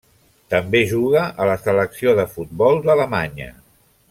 També juga a la selecció de futbol d'Alemanya.